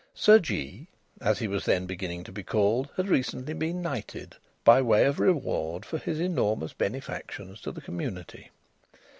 Sir Jee as he was then beginning to be called had recently been knighted, by way of reward for his enormous benefactions to the community.